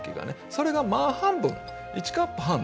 それが半分１カップ半で。